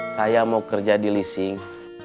saya mau kerja di leasing